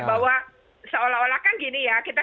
bahwa seolah olah kan gini ya kita